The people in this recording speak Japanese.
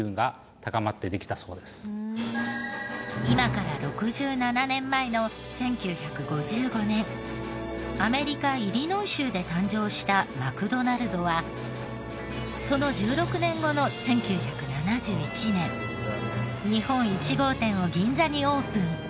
今から６７年前の１９５５年アメリカイリノイ州で誕生したマクドナルドはその１６年後の１９７１年日本１号店を銀座にオープン。